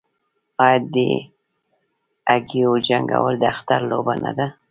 آیا د هګیو جنګول د اختر لوبه نه ده؟